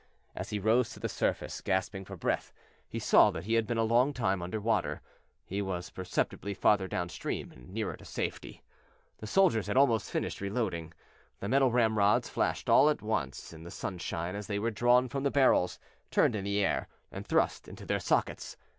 As he rose to the surface, gasping for breath, he saw that he had been a long time under water; he was perceptibly farther down stream nearer to safety. The soldiers had almost finished reloading; the metal ramrods flashed all at once in the sunshine as they were drawn from the barrels, turned in the air, and thrust into their sockets.